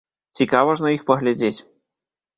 Цікава ж на іх паглядзець.